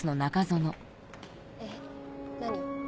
えっ何？